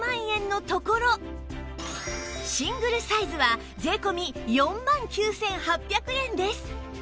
シングルサイズは税込４万９８００円です